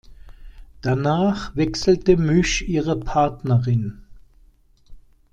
Danach wechselte Müsch ihre Partnerin.